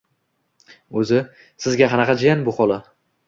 – O‘zi, sizga qanaqa jiyan bu bola?